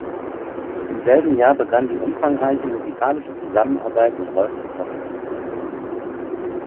Im selben Jahr begann die umfangreiche musikalische Zusammenarbeit mit Rolf Zuckowski.